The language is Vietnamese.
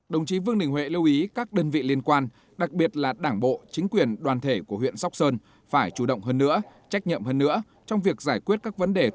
đồng chí vương đình huệ lưu ý các đơn vị liên quan đặc biệt là đảng bộ chính quyền đoàn thể của huyện sóc sơn phải chủ động hơn nữa trách nhậm hơn nữa trong việc giải quyết các vấn đề